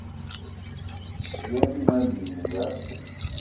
Yen mmee minga: